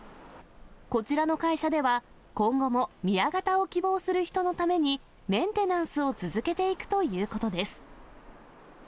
こちらの会社では、今後も宮型を希望する人のために、メンテナンスを続けていくということです。